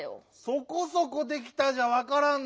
「そこそこできた」じゃわからんだろう。